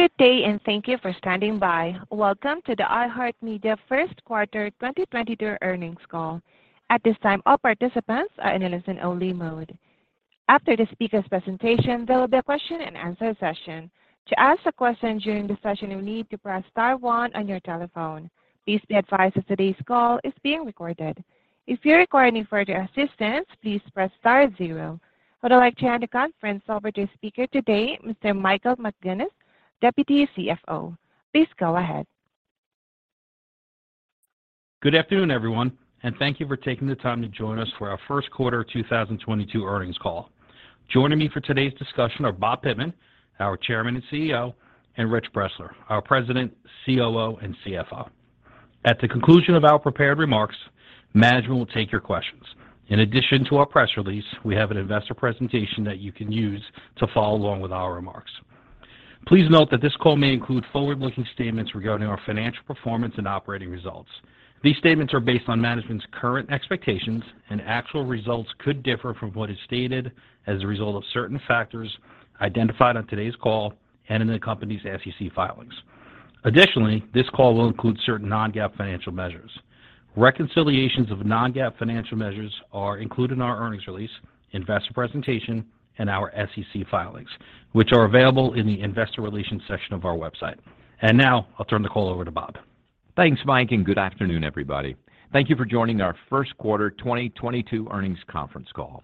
Good day, and thank you for standing by. Welcome to the iHeartMedia Q1 2022 Earnings Call. At this time, all participants are in a listen-only mode. After the speaker's presentation, there will be a question-and-answer session. To ask a question during the session, you need to press star one on your telephone. Please be advised that today's call is being recorded. If you require any further assistance, please press star zero. I would like to hand the conference over to the speaker today, Mr. Michael McGuinness, Deputy CFO. Please go ahead. Good afternoon, everyone, and thank you for taking the time to join us for our Q1 2022 Earnings Call. Joining me for today's discussion are Bob Pittman, our Chairman and CEO, and Rich Bressler, our President, COO and CFO. At the conclusion of our prepared remarks, management will take your questions. In addition to our press release, we have an investor presentation that you can use to follow along with our remarks. Please note that this call may include forward-looking statements regarding our financial performance and operating results. These statements are based on management's current expectations, and actual results could differ from what is stated as a result of certain factors identified on today's call and in the company's SEC filings. Additionally, this call will include certain non-GAAP financial measures. Reconciliations of non-GAAP financial measures are included in our earnings release, investor presentation, and our SEC filings, which are available in the investor relations section of our website. Now, I'll turn the call over to Bob. Thanks, Mike, and good afternoon, everybody. Thank you for joining our Q1 2022 Earnings Conference Call.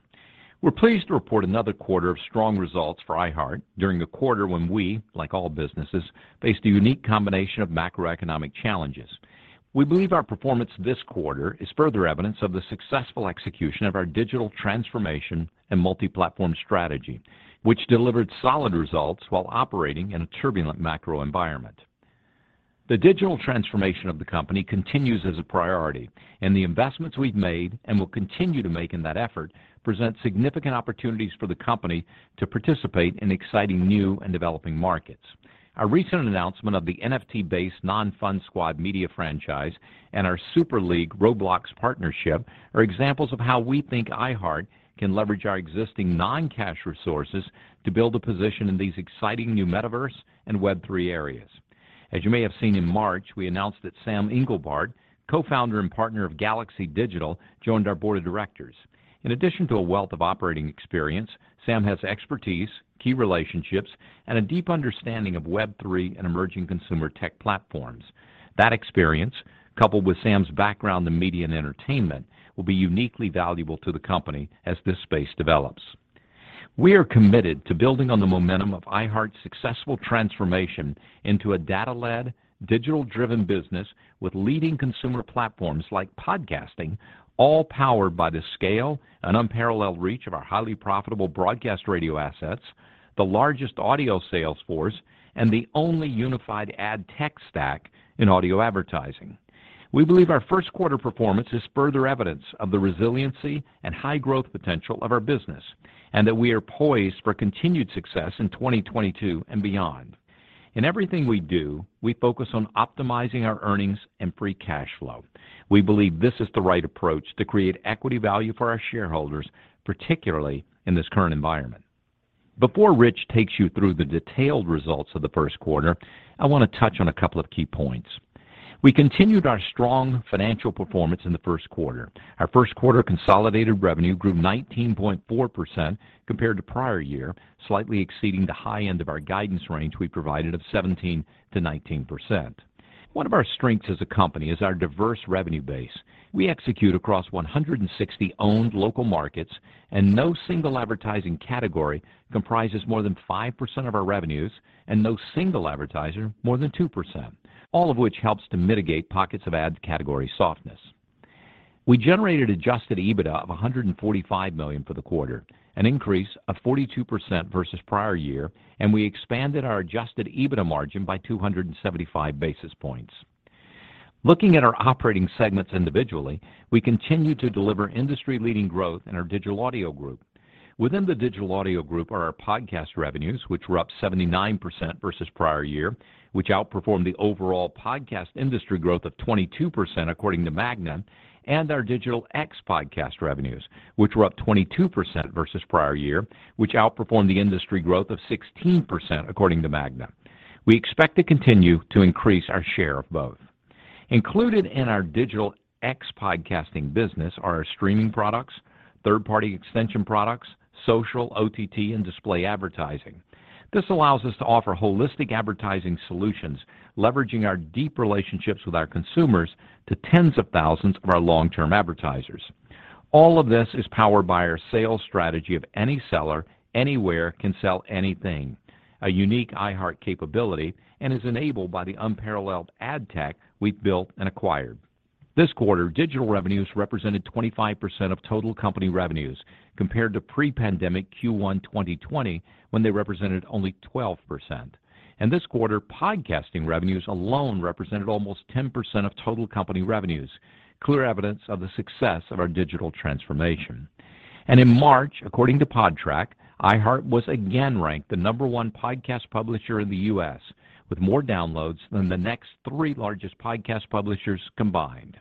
We're pleased to report another quarter of strong results for iHeart during a quarter when we, like all businesses, faced a unique combination of macroeconomic challenges. We believe our performance this quarter is further evidence of the successful execution of our digital transformation and multi-platform strategy, which delivered solid results while operating in a turbulent macro environment. The digital transformation of the company continues as a priority, and the investments we've made and will continue to make in that effort present significant opportunities for the company to participate in exciting new and developing markets. Our recent announcement of the NFT-based Non-Fun Squad media franchise and our Super League Roblox partnership are examples of how we think iHeart can leverage our existing non-cash resources to build a position in these exciting new metaverse and Web3 areas. As you may have seen in March, we announced that Sam Englebardt, co-founder and partner of Galaxy Digital, joined our board of directors. In addition to a wealth of operating experience, Sam has expertise, key relationships, and a deep understanding of Web3 and emerging consumer tech platforms. That experience, coupled with Sam's background in media and entertainment, will be uniquely valuable to the company as this space develops. We are committed to building on the momentum of iHeart's successful transformation into a data-led, digital-driven business with leading consumer platforms like podcasting, all powered by the scale and unparalleled reach of our highly profitable broadcast radio assets, the largest audio sales force, and the only unified ad tech stack in audio advertising. We believe our Q1 performance is further evidence of the resiliency and high growth potential of our business, and that we are poised for continued success in 2022 and beyond. In everything we do, we focus on optimizing our earnings and free cash flow. We believe this is the right approach to create equity value for our shareholders, particularly in this current environment. Before Rich takes you through the detailed results of the Q1, I wanna touch on a couple of key points. We continued our strong financial performance in the Q1. Our Q1 consolidated revenue grew 19.4% compared to prior year, slightly exceeding the high end of our guidance range we provided of 17% to 19%. One of our strengths as a company is our diverse revenue base. We execute across 160 owned local markets, and no single advertising category comprises more than 5% of our revenues, and no single advertiser more than 2%, all of which helps to mitigate pockets of ad category softness. We generated adjusted EBITDA of $145 million for the quarter, an increase of 42% versus prior year, and we expanded our adjusted EBITDA margin by 275 basis points. Looking at our operating segments individually, we continued to deliver industry-leading growth in our Digital Audio Group. Within the Digital Audio Group are our podcast revenues, which were up 79% versus prior year, which outperformed the overall podcast industry growth of 22% according to Magna, and our Digital ex-podcast revenues, which were up 22% versus prior year, which outperformed the industry growth of 16% according to Magna. We expect to continue to increase our share of both. Included in our Digital ex-podcast business are our streaming products, third-party extension products, social, OTT, and display advertising. This allows us to offer holistic advertising solutions, leveraging our deep relationships with our consumers to tens of thousands of our long-term advertisers. All of this is powered by our sales strategy of any seller, anywhere can sell anything, a unique iHeart capability, and is enabled by the unparalleled ad tech we've built and acquired. This quarter, digital revenues represented 25% of total company revenues, compared to pre-pandemic Q1 2020, when they represented only 12%. This quarter, podcasting revenues alone represented almost 10% of total company revenues, clear evidence of the success of our digital transformation. In March, according to Podtrac, iHeart was again ranked the number one podcast publisher in the U.S., with more downloads than the next three largest podcast publishers combined.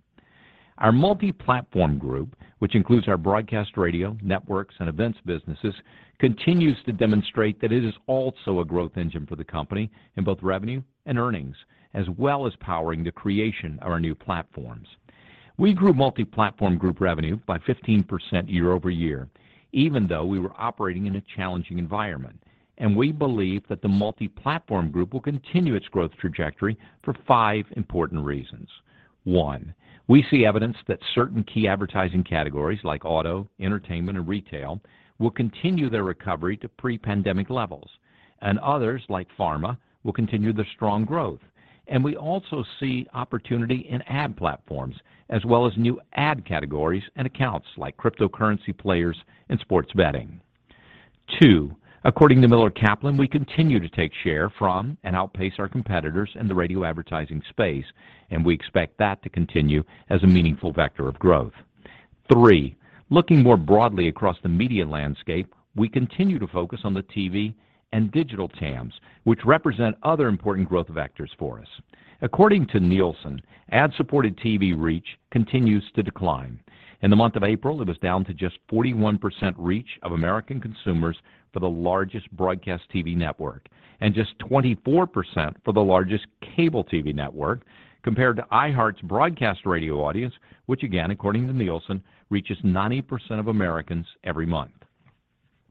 Our Multiplatform Group, which includes our broadcast radio, networks, and events businesses, continues to demonstrate that it is also a growth engine for the company in both revenue and earnings, as well as powering the creation of our new platforms. We grew Multiplatform Group revenue by 15% year-over-year even though we were operating in a challenging environment. We believe that the Multiplatform Group will continue its growth trajectory for five important reasons. One, we see evidence that certain key advertising categories like auto, entertainment, and retail will continue their recovery to pre-pandemic levels, and others, like pharma, will continue their strong growth. We also see opportunity in ad platforms as well as new ad categories and accounts like cryptocurrency players and sports betting. Two, according to Miller Kaplan, we continue to take share from and outpace our competitors in the radio advertising space, and we expect that to continue as a meaningful vector of growth. Three, looking more broadly across the media landscape, we continue to focus on the TV and digital TAMs, which represent other important growth vectors for us. According to Nielsen, ad-supported TV reach continues to decline. In the month of April, it was down to just 41% reach of American consumers for the largest broadcast TV network and just 24% for the largest cable TV network compared to iHeart's broadcast radio audience, which again, according to Nielsen, reaches 90% of Americans every month.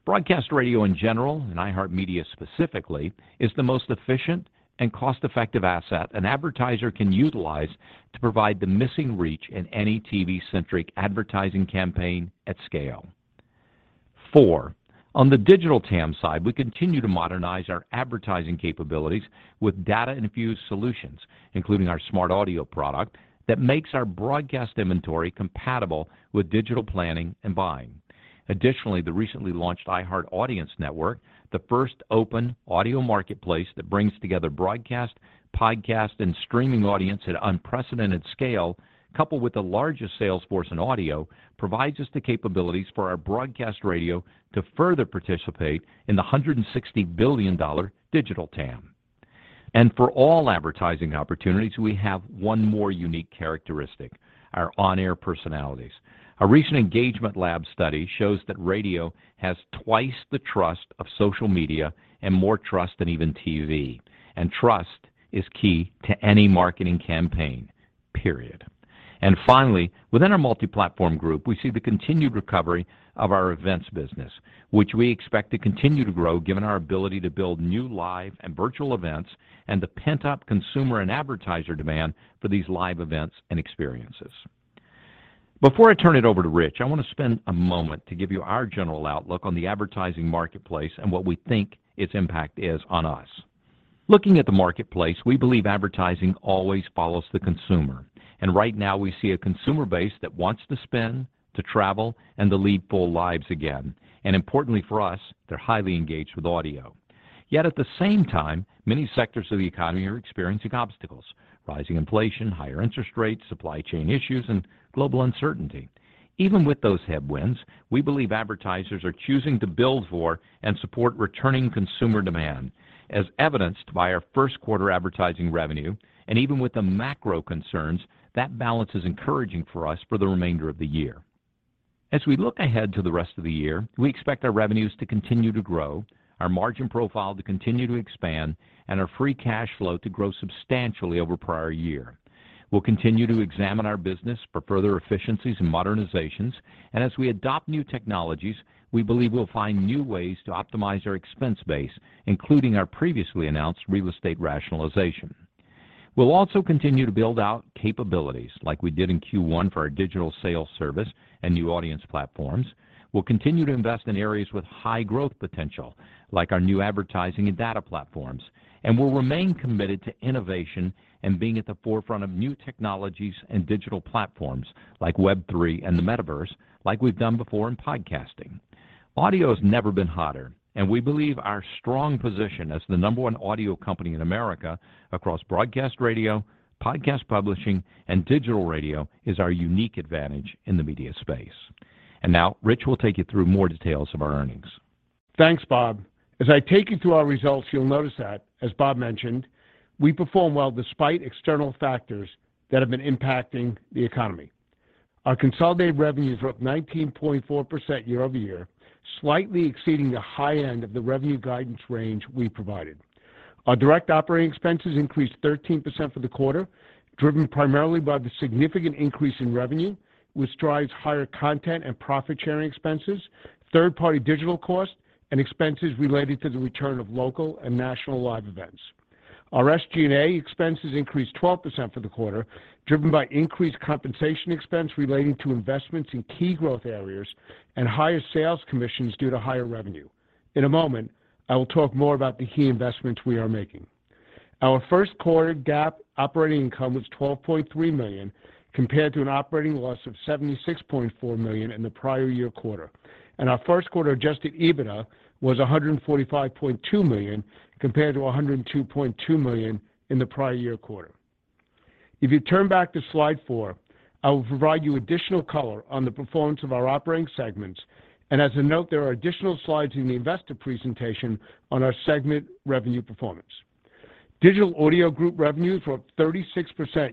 Broadcast radio in general, and iHeartMedia specifically, is the most efficient and cost-effective asset an advertiser can utilize to provide the missing reach in any TV-centric advertising campaign at scale. Four, on the digital TAM side, we continue to modernize our advertising capabilities with data infused solutions, including our SmartAudio product that makes our broadcast inventory compatible with digital planning and buying. Additionally, the recently launched iHeart Audience Network, the first open audio marketplace that brings together broadcast, podcast, and streaming audience at unprecedented scale, coupled with the largest sales force in audio, provides us the capabilities for our broadcast radio to further participate in the $160 billion digital TAM. For all advertising opportunities, we have one more unique characteristic, our on-air personalities. A recent Engagement Labs study shows that radio has twice the trust of social media and more trust than even TV. Trust is key to any marketing campaign, period. Finally, within our Multiplatform Group, we see the continued recovery of our events business, which we expect to continue to grow given our ability to build new live and virtual events and the pent-up consumer and advertiser demand for these live events and experiences. Before I turn it over to Rich, I want to spend a moment to give you our general outlook on the advertising marketplace and what we think its impact is on us. Looking at the marketplace, we believe advertising always follows the consumer, and right now we see a consumer base that wants to spend, to travel, and to lead full lives again. Importantly for us, they're highly engaged with audio. Yet at the same time, many sectors of the economy are experiencing obstacles, rising inflation, higher interest rates, supply chain issues, and global uncertainty. Even with those headwinds, we believe advertisers are choosing to build for and support returning consumer demand, as evidenced by our Q1 advertising revenue. Even with the macro concerns, that balance is encouraging for us for the remainder of the year. As we look ahead to the rest of the year, we expect our revenues to continue to grow, our margin profile to continue to expand, and our free cash flow to grow substantially over prior year. We'll continue to examine our business for further efficiencies and modernizations. As we adopt new technologies, we believe we'll find new ways to optimize our expense base, including our previously announced real estate rationalization. We'll also continue to build out capabilities like we did in Q1 for our digital sales service and new audience platforms. We'll continue to invest in areas with high growth potential, like our new advertising and data platforms. We'll remain committed to innovation and being at the forefront of new technologies and digital platforms like Web3 and the metaverse, like we've done before in podcasting. Audio has never been hotter, and we believe our strong position as the number one audio company in America across broadcast radio, podcast publishing, and digital radio is our unique advantage in the media space. Now Rich will take you through more details of our earnings. Thanks, Bob. As I take you through our results, you'll notice that, as Bob mentioned, we performed well despite external factors that have been impacting the economy. Our consolidated revenue is up 19.4% year-over-year, slightly exceeding the high end of the revenue guidance range we provided. Our direct operating expenses increased 13% for the quarter, driven primarily by the significant increase in revenue, which drives higher content and profit-sharing expenses, third-party digital costs, and expenses related to the return of local and national live events. Our SG&A expenses increased 12% for the quarter, driven by increased compensation expense relating to investments in key growth areas and higher sales commissions due to higher revenue. In a moment, I will talk more about the key investments we are making. Our Q1 GAAP operating income was $12.3 million, compared to an operating loss of $76.4 million in the prior year quarter. Our Q1 adjusted EBITDA was $145.2 million, compared to $102.2 million in the prior year quarter. If you turn back to slide 4, I will provide you additional color on the performance of our operating segments. As a note, there are additional slides in the investor presentation on our segment revenue performance. Digital Audio Group revenues were up 36%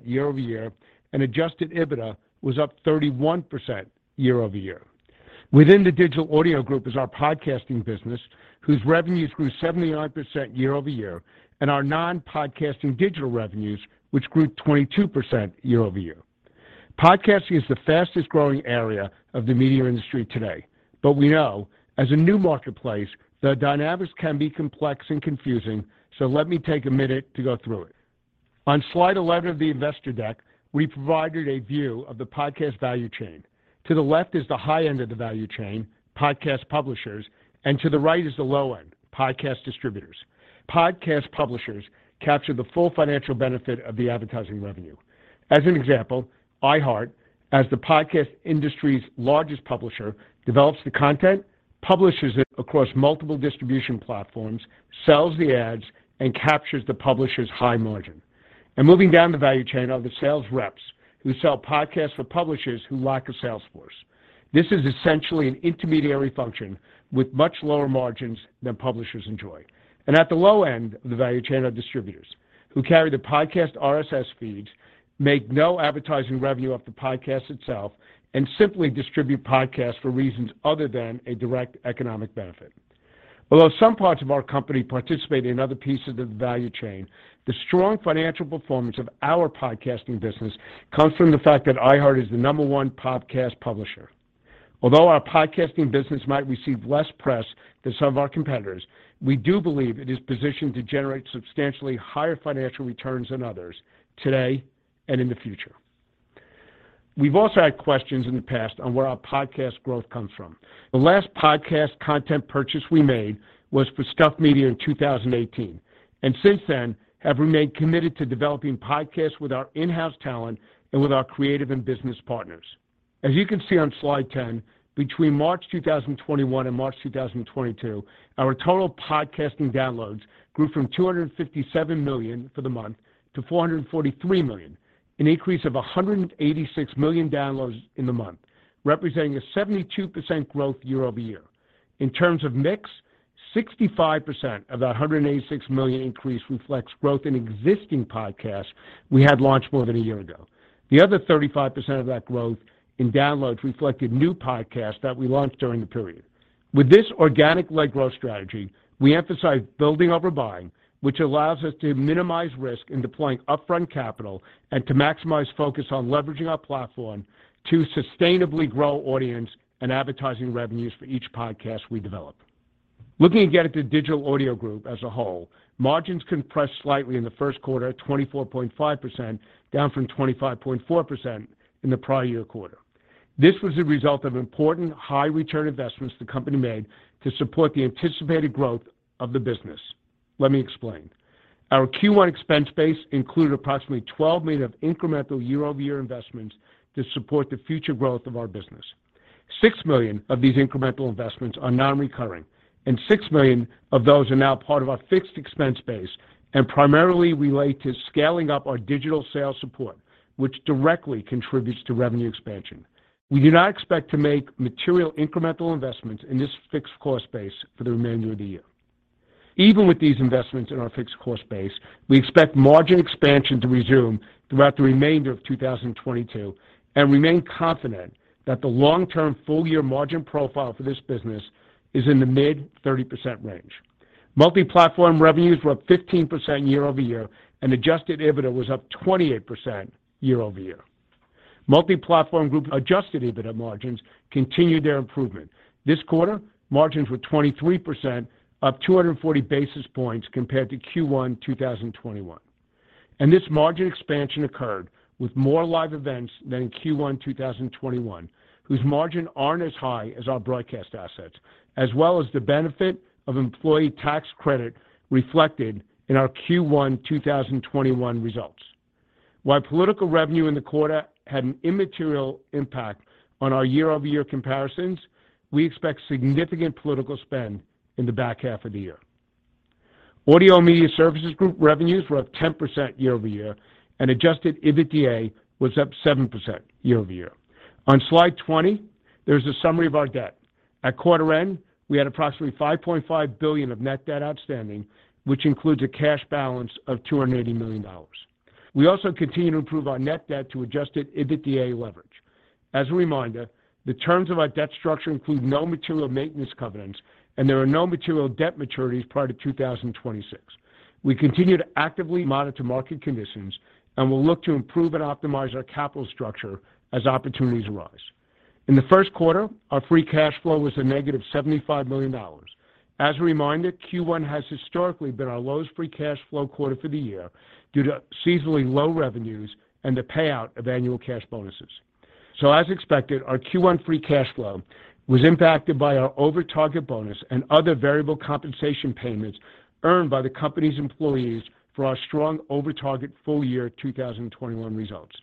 year-over-year and adjusted EBITDA was up 31% year-over-year. Within the Digital Audio Group is our podcasting business whose revenues grew 79% year-over-year and our non-podcasting digital revenues, which grew 22% year-over-year. Podcasting is the fastest growing area of the media industry today, but we know as a new marketplace, the dynamics can be complex and confusing, so let me take a minute to go through it. On slide 11 of the investor deck, we provided a view of the podcast value chain. To the left is the high end of the value chain, podcast publishers, and to the right is the low end, podcast distributors. Podcast publishers capture the full financial benefit of the advertising revenue. As an example, iHeart, as the podcast industry's largest publisher, develops the content, publishes it across multiple distribution platforms, sells the ads, and captures the publisher's high margin. Moving down the value chain are the sales reps who sell podcasts for publishers who lack a sales force. This is essentially an intermediary function with much lower margins than publishers enjoy. At the low end of the value chain are distributors who carry the podcast RSS feeds, make no advertising revenue off the podcast itself, and simply distribute podcasts for reasons other than a direct economic benefit. Although some parts of our company participate in other pieces of the value chain, the strong financial performance of our podcasting business comes from the fact that iHeart is the number one podcast publisher. Although our podcasting business might receive less press than some of our competitors, we do believe it is positioned to generate substantially higher financial returns than others today and in the future. We've also had questions in the past on where our podcast growth comes from. The last podcast content purchase we made was for Stuff Media in 2018, and since then have remained committed to developing podcasts with our in-house talent and with our creative and business partners. As you can see on slide 10, between March 2021 and March 2022, our total podcasting downloads grew from 257 million for the month to 443 million, an increase of 186 million downloads in the month, representing a 72% growth year over year. In terms of mix, 65% of that 186 million increase reflects growth in existing podcasts we had launched more than a year ago. The other 35% of that growth in downloads reflected new podcasts that we launched during the period. With this organic-led growth strategy, we emphasize building over buying, which allows us to minimize risk in deploying upfront capital and to maximize focus on leveraging our platform to sustainably grow audience and advertising revenues for each podcast we develop. Looking again at the Digital Audio Group as a whole, margins compressed slightly in the Q1 at 24.5%, down from 25.4% in the prior year quarter. This was a result of important high-return investments the company made to support the anticipated growth of the business. Let me explain. Our Q1 expense base included approximately $12 million of incremental year-over-year investments to support the future growth of our business. $6 million of these incremental investments are non-recurring, and $6 million of those are now part of our fixed expense base and primarily relate to scaling up our digital sales support, which directly contributes to revenue expansion. We do not expect to make material incremental investments in this fixed cost base for the remainder of the year. Even with these investments in our fixed cost base, we expect margin expansion to resume throughout the remainder of 2022 and remain confident that the long-term full year margin profile for this business is in the mid-30% range. Multiplatform revenues were up 15% year-over-year, and adjusted EBITDA was up 28% year-over-year. Multiplatform Group adjusted EBITDA margins continued their improvement. This quarter, margins were 23%, up 240 basis points compared to Q1 2021. This margin expansion occurred with more live events than in Q1 2021, whose margin aren't as high as our broadcast assets, as well as the benefit of employee tax credit reflected in our Q1 2021 results. While political revenue in the quarter had an immaterial impact on our year-over-year comparisons, we expect significant political spend in the back half of the year. Audio & Media Services Group revenues were up 10% year-over-year, and adjusted EBITDA was up 7% year-over-year. On slide 20, there's a summary of our debt. At quarter end, we had approximately $5.5 billion of net debt outstanding, which includes a cash balance of $280 million. We also continue to improve our net debt to adjusted EBITDA leverage. As a reminder, the terms of our debt structure include no material maintenance covenants, and there are no material debt maturities prior to 2026. We continue to actively monitor market conditions and will look to improve and optimize our capital structure as opportunities arise. In the Q1, our free cash flow was -$75 million. As a reminder, Q1 has historically been our lowest free cash flow quarter for the year due to seasonally low revenues and the payout of annual cash bonuses. As expected, our Q1 free cash flow was impacted by our over target bonus and other variable compensation payments earned by the company's employees for our strong over target full year 2021 results.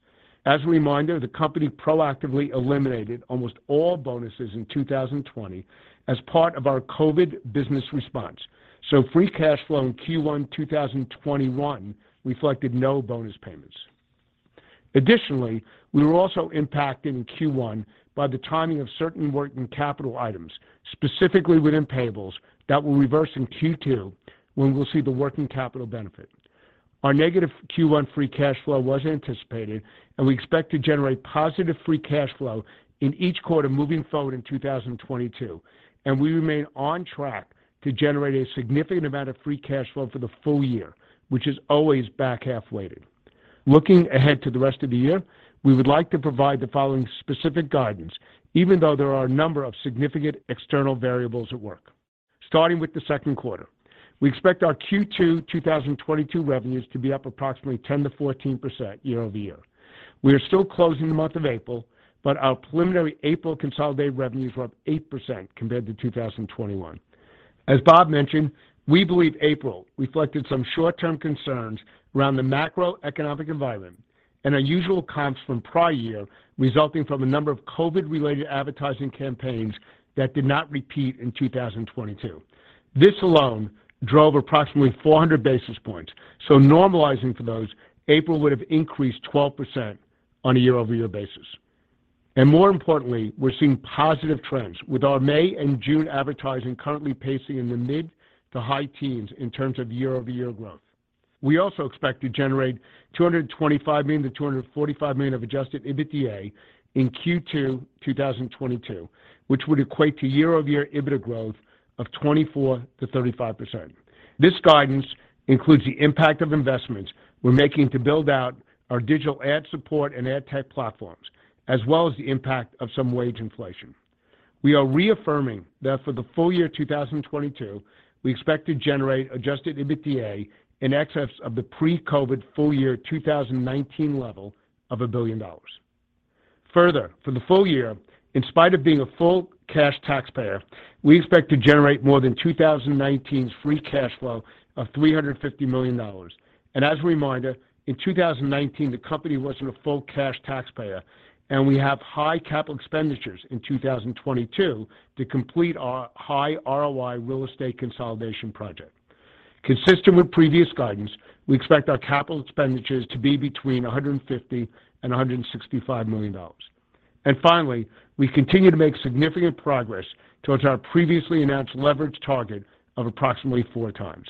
As a reminder, the company proactively eliminated almost all bonuses in 2020 as part of our COVID business response. Free cash flow in Q1 2021 reflected no bonus payments. Additionally, we were also impacted in Q1 by the timing of certain working capital items, specifically within payables that will reverse in Q2 when we'll see the working capital benefit. Our negative Q1 free cash flow was anticipated, and we expect to generate positive free cash flow in each quarter moving forward in 2022, and we remain on track to generate a significant amount of free cash flow for the full year, which is always back half weighted. Looking ahead to the rest of the year, we would like to provide the following specific guidance, even though there are a number of significant external variables at work. Starting with the Q2, we expect our Q2 2022 revenues to be up approximately 10% to 14% year-over-year. We are still closing the month of April, but our preliminary April consolidated revenues were up 8% compared to 2021. As Bob mentioned, we believe April reflected some short-term concerns around the macroeconomic environment and our usual comps from prior year, resulting from a number of COVID-related advertising campaigns that did not repeat in 2022. This alone drove approximately 400 basis points. Normalizing for those, April would have increased 12% on a year-over-year basis. More importantly, we're seeing positive trends with our May and June advertising currently pacing in the mid- to high teens in terms of year-over-year growth. We also expect to generate $225 million to $245 million of adjusted EBITDA in Q2 2022, which would equate to year-over-year EBITDA growth of 24% to 35%. This guidance includes the impact of investments we're making to build out our digital ad support and ad tech platforms, as well as the impact of some wage inflation. We are reaffirming that for the full year 2022, we expect to generate adjusted EBITDA in excess of the pre-COVID full year 2019 level of a billion dollar. Further, for the full year, in spite of being a full cash taxpayer, we expect to generate more than 2019's free cash flow of $350 million. As a reminder, in 2019, the company wasn't a full cash taxpayer, and we have high capital expenditures in 2022 to complete our high ROI real estate consolidation project. Consistent with previous guidance, we expect our capital expenditures to be between $150 million and $165 million. Finally, we continue to make significant progress towards our previously announced leverage target of approximately 4x.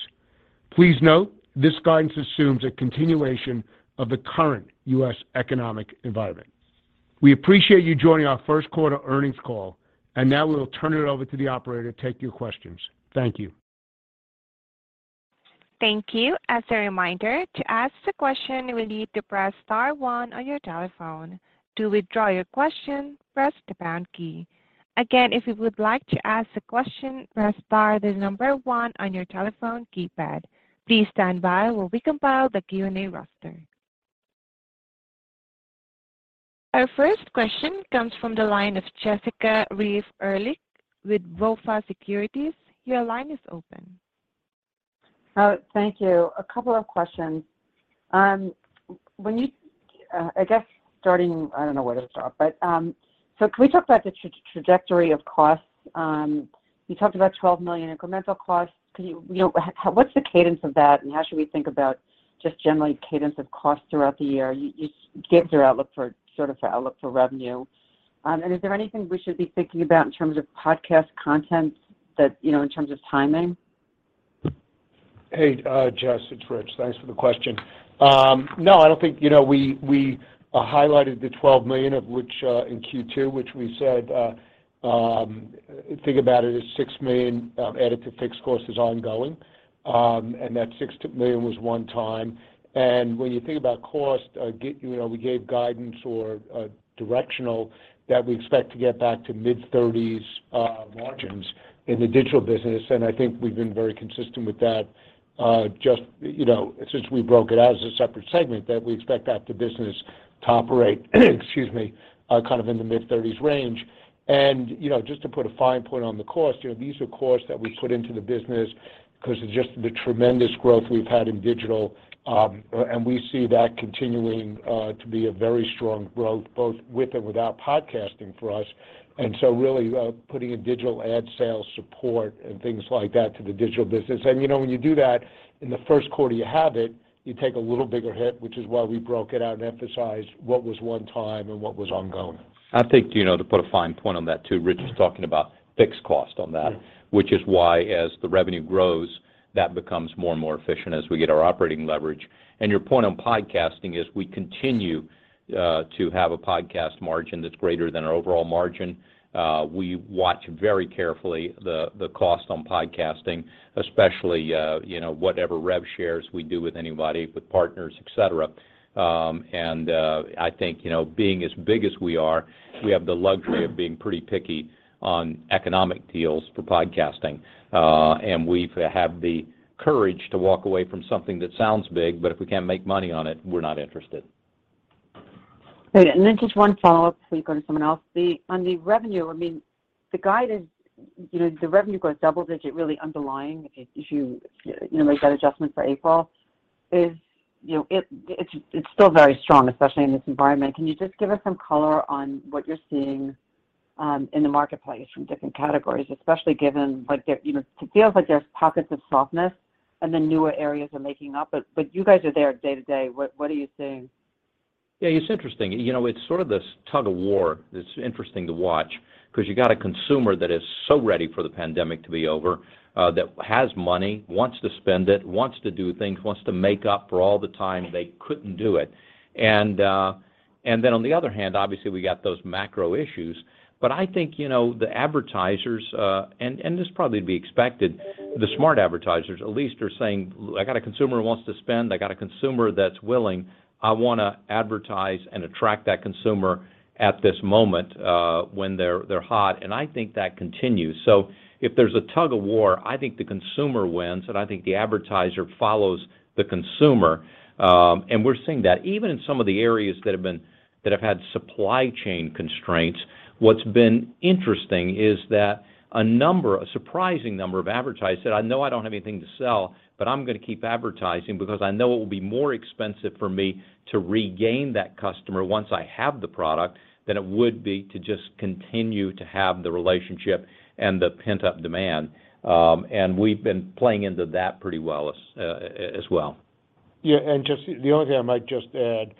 Please note, this guidance assumes a continuation of the current U.S. economic environment. We appreciate you joining our Q1 Earnings Call, and now we'll turn it over to the operator to take your questions. Thank you. Thank you. As a reminder, to ask the question, you will need to press star one on your telephone. To withdraw your question, press the pound key. Again, if you would like to ask a question, press star, the number one on your telephone keypad. Please stand by while we compile the Q&A roster. Our first question comes from the line of Jessica Reif Ehrlich with BofA Securities. Your line is open. Thank you. A couple of questions. I guess I don't know where to start, but can we talk about the trajectory of costs? You talked about $12 million incremental costs. You know, what's the cadence of that, and how should we think about just generally cadence of costs throughout the year? You gave your outlook for revenue. Is there anything we should be thinking about in terms of podcast content that, you know, in terms of timing? Hey, Jess, it's Rich. Thanks for the question. No, I don't think, you know, we highlighted the $12 million, of which in Q2, which we said, think about it as $6 million added to fixed cost is ongoing, and that $6 million was one time. When you think about cost, you know, we gave guidance or directional that we expect to get back to mid-30s margins in the digital business, and I think we've been very consistent with that, just, you know, since we broke it out as a separate segment, that we expect that business to operate, excuse me, kind of in the mid-30s range. You know, just to put a fine point on the cost, you know, these are costs that we put into the business because of just the tremendous growth we've had in digital, and we see that continuing to be a very strong growth both with and without podcasting for us. Really, putting a digital ad sales support and things like that to the digital business. You know, when you do that, in the Q1 you have it, you take a little bigger hit, which is why we broke it out and emphasized what was one time and what was ongoing. I think, you know, to put a fine point on that too, Rich is talking about fixed cost on that, which is why as the revenue grows, that becomes more and more efficient as we get our operating leverage. Your point on podcasting is we continue to have a podcast margin that's greater than our overall margin. We watch very carefully the cost on podcasting, especially, you know, whatever rev shares we do with anybody, with partners, et cetera. I think, you know, being as big as we are, we have the luxury of being pretty picky on economic deals for podcasting, and we've had the courage to walk away from something that sounds big, but if we can't make money on it, we're not interested. Great. Just one follow-up before you go to someone else. On the revenue, I mean, the guidance, you know, the revenue grows double-digit really underlying if you know, make that adjustment for April. You know, it's still very strong, especially in this environment. Can you just give us some color on what you're seeing in the marketplace from different categories, especially given, like, there, you know, it feels like there's pockets of softness and then newer areas are making up. But you guys are there day to day. What are you seeing? Yeah, it's interesting. You know, it's sort of this tug-of-war that's interesting to watch because you got a consumer that is so ready for the pandemic to be over, that has money, wants to spend it, wants to do things, wants to make up for all the time they couldn't do it. On the other hand, obviously, we got those macro issues. I think, you know, the advertisers, and this probably to be expected, the smart advertisers at least are saying, "I got a consumer who wants to spend. I got a consumer that's willing. I wanna advertise and attract that consumer at this moment, when they're hot." I think that continues. If there's a tug-of-war, I think the consumer wins, and I think the advertiser follows the consumer. We're seeing that even in some of the areas that have had supply chain constraints, what's been interesting is that a surprising number of advertisers said, "I know I don't have anything to sell, but I'm gonna keep advertising because I know it will be more expensive for me to regain that customer once I have the product than it would be to just continue to have the relationship and the pent-up demand." We've been playing into that pretty well as well. Yeah. Just the only thing I might just add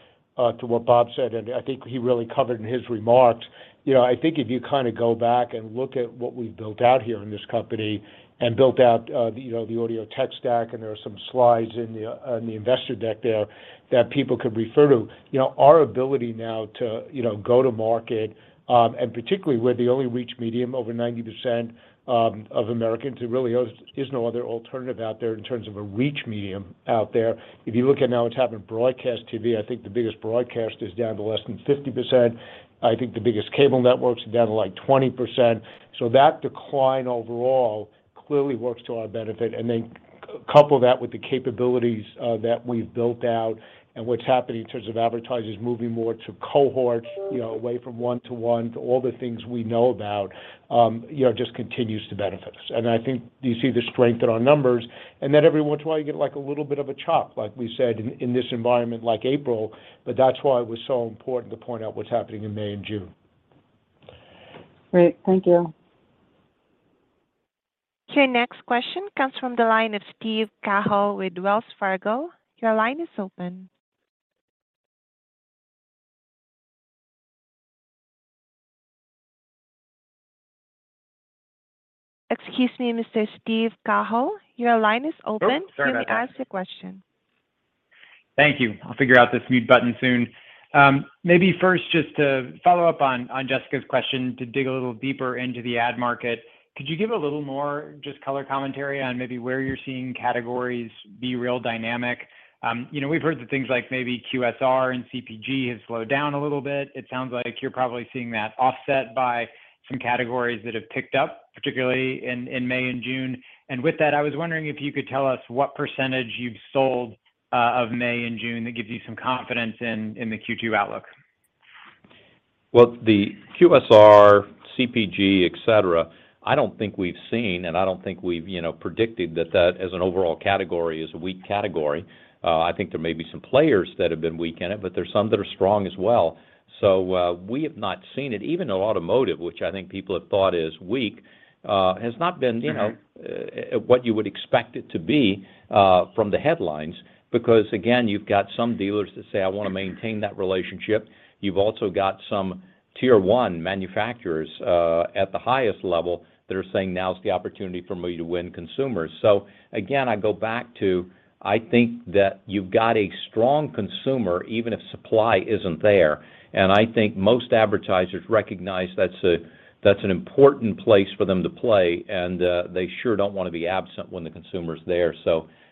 to what Bob said, and I think he really covered in his remarks, you know, I think if you go back and look at what we've built out here in this company and built out, you know, the audio tech stack, and there are some slides in the investor deck there that people could refer to. You know, our ability now to go to market, and particularly we're the only reach medium, over 90% of Americans. There really is no other alternative out there in terms of a reach medium out there. If you look at now what's happened to broadcast TV, I think the biggest broadcast is down to less than 50%. I think the biggest cable network's down to, like, 20%. That decline overall clearly works to our benefit. Then couple that with the capabilities that we've built out and what's happening in terms of advertisers moving more to cohorts, you know, away from one-to-one to all the things we know about, you know, just continues to benefit us. I think you see the strength in our numbers. Then every once in a while, you get, like, a little bit of a chop, like we said, in this environment like April, but that's why it was so important to point out what's happening in May and June. Great. Thank you. Your next question comes from the line of Steven Cahall with Wells Fargo. Your line is open. Excuse me, Mr. Steven Cahall, your line is open. Sorry about that. You may ask your question. Thank you. I'll figure out this mute button soon. Maybe first just to follow up on Jessica's question, to dig a little deeper into the ad market. Could you give a little more just color commentary on maybe where you're seeing categories be really dynamic? You know, we've heard that things like maybe QSR and CPG has slowed down a little bit. It sounds like you're probably seeing that offset by some categories that have picked up, particularly in May and June. With that, I was wondering if you could tell us what percentage you've sold of May and June that gives you some confidence in the Q2 outlook. Well, the QSR, CPG, et cetera, I don't think we've seen, and I don't think we've, you know, predicted that as an overall category is a weak category. I think there may be some players that have been weak in it, but there's some that are strong as well. We have not seen it. Even though automotive, which I think people have thought is weak, has not been, you know, what you would expect it to be, from the headlines. Because again, you've got some dealers that say, "I wanna maintain that relationship." You've also got some Tier 1 manufacturers, at the highest level that are saying, "Now is the opportunity for me to win consumers." Again, I go back to, I think that you've got a strong consumer, even if supply isn't there. I think most advertisers recognize that's an important place for them to play, and they sure don't wanna be absent when the consumer's there.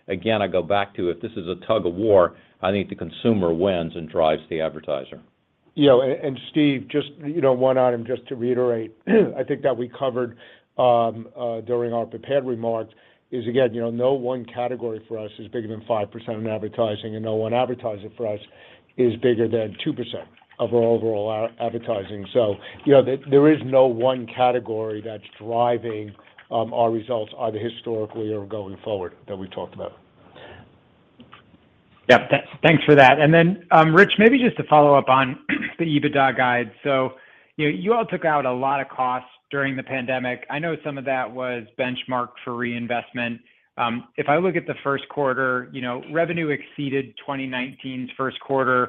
I go back to if this is a tug-of-war, I think the consumer wins and drives the advertiser. You know, Steven, just you know, one item just to reiterate, I think that we covered during our prepared remarks is again, you know, no one category for us is bigger than 5% in advertising, and no one advertiser for us is bigger than 2% of our overall advertising. You know, there is no one category that's driving our results either historically or going forward that we talked about. Thanks for that. Rich, maybe just to follow up on the EBITDA guide. You know, you all took out a lot of costs during the pandemic. I know some of that was benchmark for reinvestment. If I look at the Q1, you know, revenue exceeded 2019's Q1.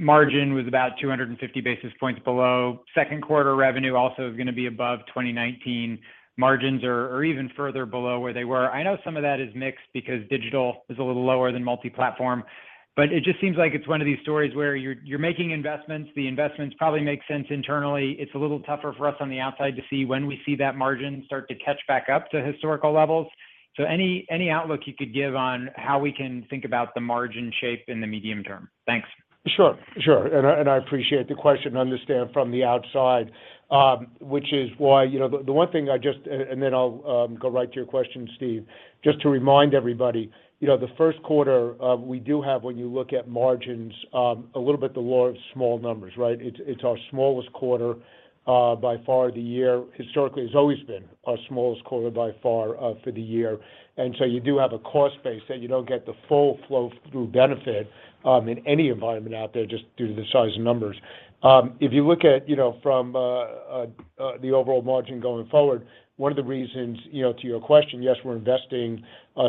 Margin was about 250 basis points below. Q2 revenue also is gonna be above 2019. Margins are even further below where they were. I know some of that is mix because digital is a little lower than Multiplatform. It just seems like it's one of these stories where you're making investments. The investments probably make sense internally. It's a little tougher for us on the outside to see when we see that margin start to catch back up to historical levels. Any outlook you could give on how we can think about the margin shape in the medium term? Thanks. Sure. I appreciate the question. I understand from the outside, which is why, you know, the one thing, and then I'll go right to your question, Steven. Just to remind everybody, you know, the Q1 we do have, when you look at margins, a little bit the law of small numbers, right? It's our smallest quarter by far of the year. Historically, it's always been our smallest quarter by far for the year. You do have a cost base that you don't get the full flow through benefit in any environment out there just due to the size of numbers. If you look at, you know, from the overall margin going forward, one of the reasons, you know, to your question, yes, we're investing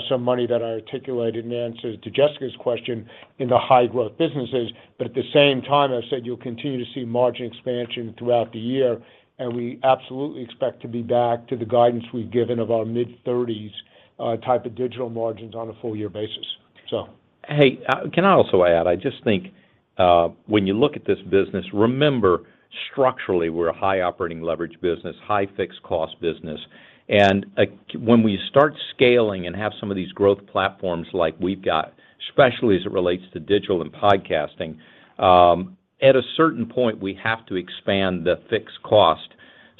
some money that I articulated in answer to Jessica's question in the high-growth businesses. At the same time, I said you'll continue to see margin expansion throughout the year, and we absolutely expect to be back to the guidance we've given of our mid-30s type of digital margins on a full year basis. Can I also add, I just think, when you look at this business, remember, structurally, we're a high operating leverage business, high fixed cost business. When we start scaling and have some of these growth platforms like we've got, especially as it relates to digital and podcasting, at a certain point, we have to expand the fixed cost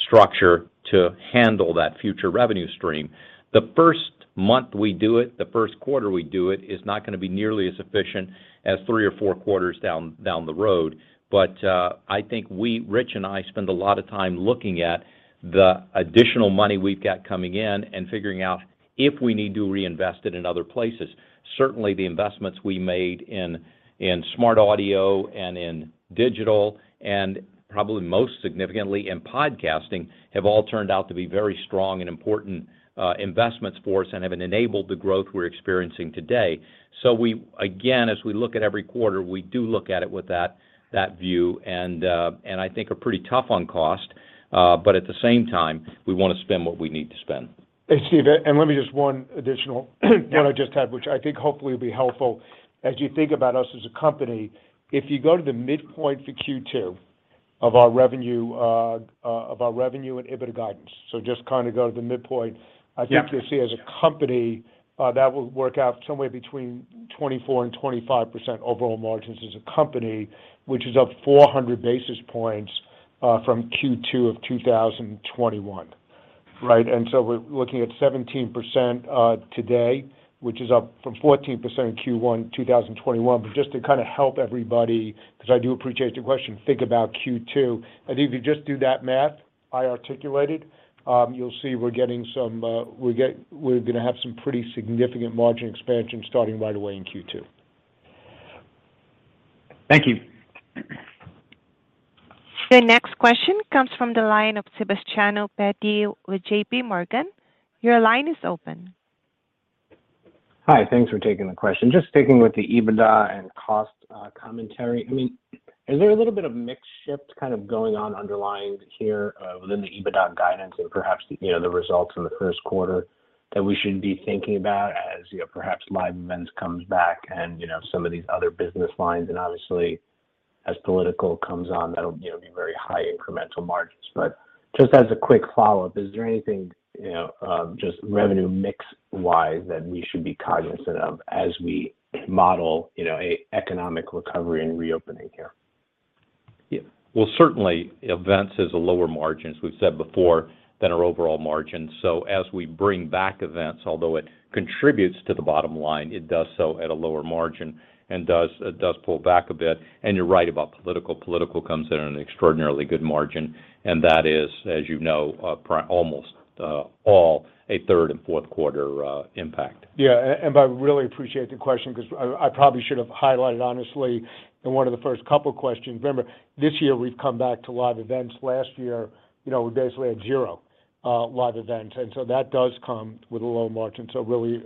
structure to handle that future revenue stream. The first month we do it, the Q1 we do it, is not gonna be nearly as efficient as three or four quarters down the road. I think we, Rich and I spend a lot of time looking at the additional money we've got coming in and figuring out if we need to reinvest it in other places. Certainly, the investments we made in smart audio and in digital, and probably most significantly in podcasting, have all turned out to be very strong and important investments for us and have enabled the growth we're experiencing today. Again, as we look at every quarter, we do look at it with that view and I think are pretty tough on cost, but at the same time, we wanna spend what we need to spend. Let me just one additional. Yeah. The one I just had, which I think hopefully will be helpful as you think about us as a company. If you go to the midpoint for Q2 of our revenue and EBITDA guidance, so just kinda go to the midpoint. Yeah. I think you'll see as a company, that will work out somewhere between 24% to 25% overall margins as a company, which is up 400 basis points, from Q2 of 2021. Right? We're looking at 17%, today, which is up from 14% in Q1, 2021. Just to help everybody, because I do appreciate your question, think about Q2. I think if you just do that math I articulated, you'll see we're getting some, we're gonna have some pretty significant margin expansion starting right away in Q2. Thank you. The next question comes from the line of Sebastiano Petti with J.P. Morgan. Your line is open. Hi. Thanks for taking the question. Just sticking with the EBITDA and cost, commentary. I mean, is there a little bit of mix shift kind of going on underlying here, within the EBITDA guidance and perhaps, you know, the results in the Q1 that we should be thinking about as, you know, perhaps live events comes back and, you know, some of these other business lines? Obviously as political comes on, that'll, you know, be very high incremental margins. Just as a quick follow-up, is there anything, you know, just revenue mix-wise that we should be cognizant of as we model, you know, a economic recovery and reopening here? Yeah. Well, certainly events is a lower margin, as we've said before, than our overall margin. As we bring back events, although it contributes to the bottom line, it does so at a lower margin and it does pull back a bit. You're right about political. Political comes in an extraordinarily good margin, and that is, as you know, almost all in the Q3 and Q4 impact. Yeah. I really appreciate the question because I probably should have highlighted honestly in one of the first couple questions. Remember, this year we've come back to live events. Last year, you know, we basically had zero live events. That does come with a low margin. I really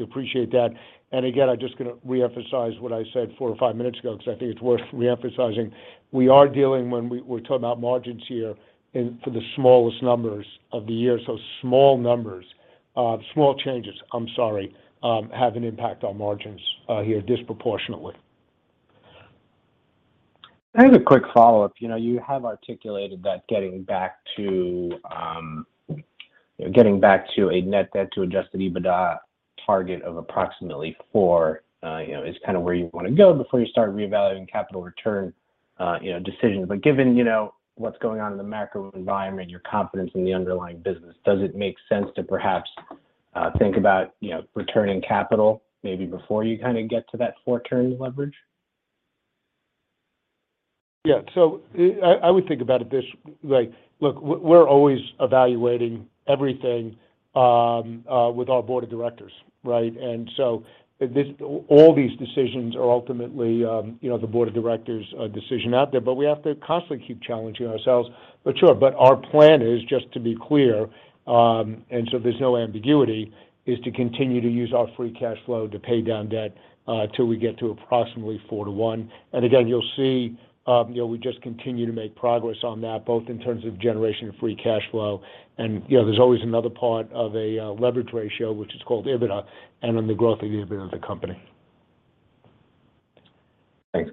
appreciate that. I just gonna reemphasize what I said four or five minutes ago because I think it's worth reemphasizing. We are dealing, when we're talking about margins here in for the smallest numbers of the year. Small numbers, small changes, I'm sorry, have an impact on margins here disproportionately. I have a quick follow-up. You know, you have articulated that getting back to a net debt to adjusted EBITDA target of approximately four is kind of where you wanna go before you start reevaluating capital return decisions. Given, you know, what's going on in the macro environment, your confidence in the underlying business, does it make sense to perhaps think about, you know, returning capital maybe before you kind of get to that four turn leverage? Yeah. I would think about it this way. Look, we're always evaluating everything with our board of directors, right? This, all these decisions are ultimately, you know, the board of directors' decision out there. We have to constantly keep challenging ourselves. Sure, our plan is, just to be clear, and so there's no ambiguity, is to continue to use our free cash flow to pay down debt till we get to approximately four to one. Again, you'll see, you know, we just continue to make progress on that, both in terms of generation of free cash flow and, you know, there's always another part of a leverage ratio, which is called EBITDA and then the growth of the EBITDA of the company. Thanks.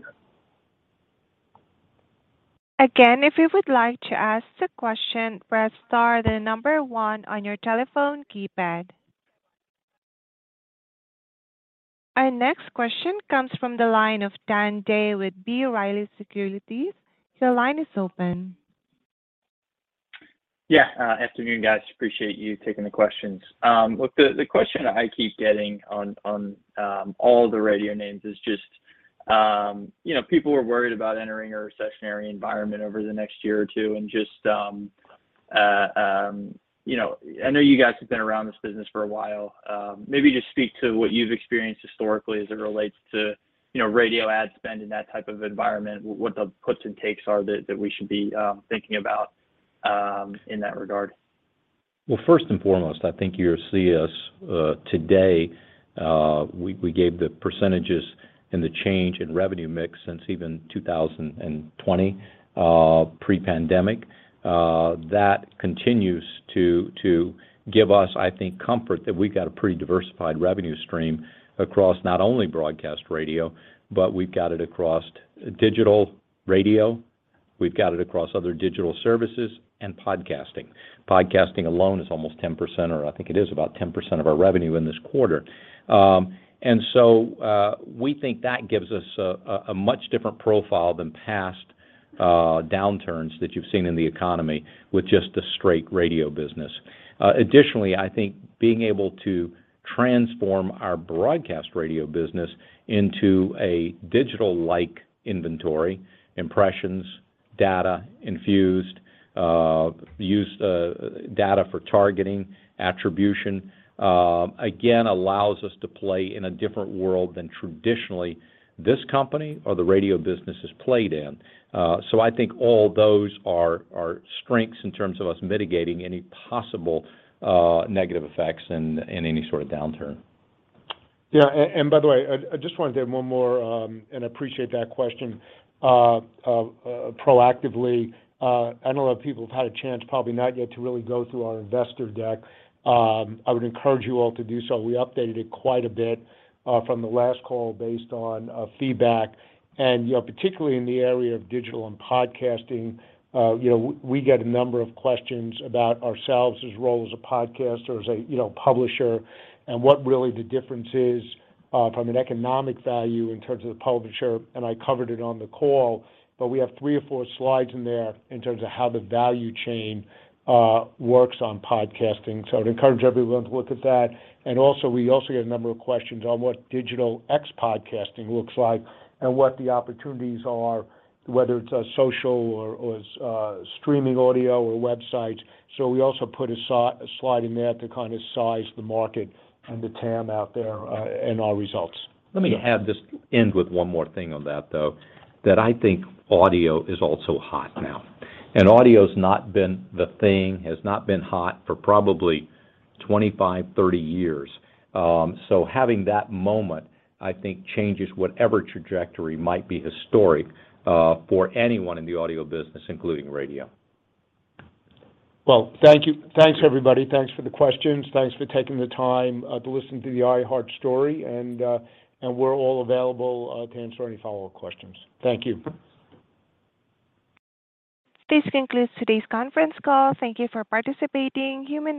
Again, if you would like to ask a question, press star then number one on your telephone keypad. Our next question comes from the line of Dan Day with B. Riley Securities. Your line is open. Yeah. Afternoon, guys. Appreciate you taking the questions. Look, the question I keep getting on all the radio names is just, you know, people are worried about entering a recessionary environment over the next year or two and just, you know, I know you guys have been around this business for a while. Maybe just speak to what you've experienced historically as it relates to, you know, radio ad spend in that type of environment, what the puts and takes are that we should be thinking about in that regard. Well, first and foremost, I think you'll see us today. We gave the percentages and the change in revenue mix since even 2020, pre-pandemic. That continues to give us, I think, comfort that we've got a pretty diversified revenue stream across not only broadcast radio, but we've got it across digital radio, we've got it across other digital services and podcasting. Podcasting alone is almost 10% or I think it is about 10% of our revenue in this quarter. We think that gives us a much different profile than past downturns that you've seen in the economy with just the straight radio business. Additionally, I think being able to transform our broadcast radio business into a digital-like inventory, impressions, data infused, use, data for targeting, attribution, again, allows us to play in a different world than traditionally this company or the radio business is played in. I think all those are strengths in terms of us mitigating any possible negative effects in any sort of downturn. Yeah, by the way, I just wanted to add one more and appreciate that question proactively. I know a lot of people have had a chance probably not yet to really go through our investor deck. I would encourage you all to do so. We updated it quite a bit from the last call based on feedback and, you know, particularly in the area of digital and podcasting, you know, we get a number of questions about our role as a podcaster, as a, you know, publisher and what the real difference is from an economic value in terms of the publisher, and I covered it on the call, but we have three or four slides in there in terms of how the value chain works on podcasting. I'd encourage everyone to look at that. We also get a number of questions on what digital ex-podcast looks like and what the opportunities are, whether it's social or streaming audio or websites. We also put a slide in there to kind of size the market and the TAM out there, and our results. Let me add this and end with one more thing on that, though. That I think audio is also hot now. Audio's not been the thing, has not been hot for probably 25, 30 years. Having that moment, I think changes whatever trajectory might be historic for anyone in the audio business, including radio. Well, thank you. Thanks, everybody. Thanks for the questions. Thanks for taking the time to listen to the iHeart story and we're all available to answer any follow-up questions. Thank you. This concludes today's conference call. Thank you for participating. You may dis-